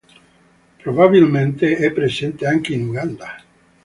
Probabilmente è presente anche in Uganda.